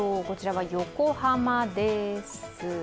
こちらは横浜です。